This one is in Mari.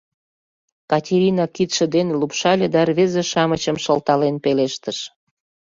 — Катерина кидше дене лупшале да рвезе-шамычым шылтален пелештыш: